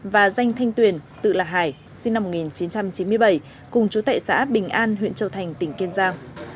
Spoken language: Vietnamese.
và danh thanh tuyền tự là hải sinh năm một nghìn chín trăm chín mươi bảy cùng chú tệ xã bình an huyện châu thành tỉnh kiên giang